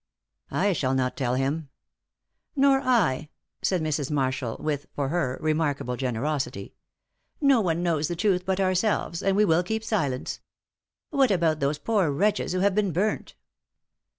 "I shall not tell him." "Nor I," said Mrs. Marshall, with, for her, remarkable generosity. "No one knows the truth but ourselves, and we will keep silence. What about those poor wretches who have been burnt?"